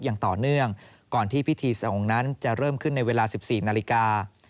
อย่างต่อเนื่องก่อนที่พิธีสงฆ์นั้นจะเริ่มขึ้นในเวลา๑๔นาฬิกา